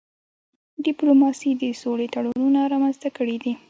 ډيپلوماسي د سولې تړونونه رامنځته کړي دي.